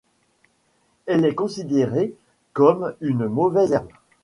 Elle est considérée comme une mauvaise herbe.